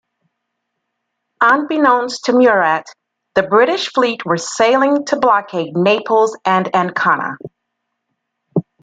Unbeknownst to Murat, the British fleet were sailing to blockade Naples and Ancona.